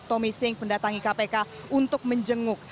tommy singh mendatangi kpk untuk menjenguk